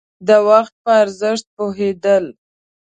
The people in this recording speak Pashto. د وخت په ارزښت پوهېدل.